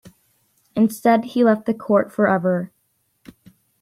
Instead, he left the court forever.